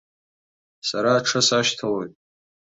Сара аҽы сашьҭалоит.